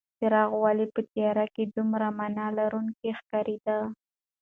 څراغ ولې په تیاره کې دومره مانا لرونکې ښکارېده؟